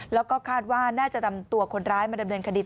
แล้วก็คาดว่าน่าจะนำตัวคนร้ายมาดำเนินคดี